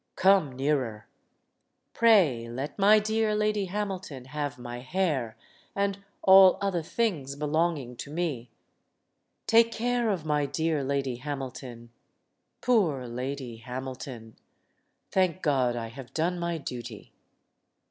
Come nearer. Pray let my dear Lady Hamilton have my hair and all other things be longing to me. Take care of my dear Lady Hamilton poor Lady Hamilton! Thank God I have done my duty!"